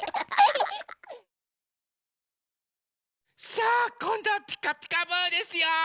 さあこんどは「ピカピカブ！」ですよ！